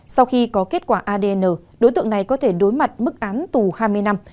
sau khi có kết quả adn đối tượng này có thể đối mặt mức án tù hai mươi năm